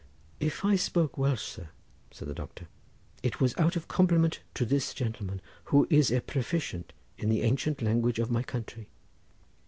"If I spoke Welsh, sir," said the Doctor, "it was out of compliment to this gentleman, who is a proficient in the ancient language of my country.